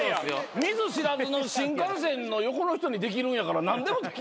見ず知らずの新幹線の横の人にできるんやから何でもできますよ。